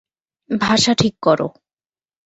ভাষা ঠিক কর।